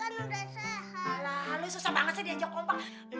alah lu susah banget sih diajak kompak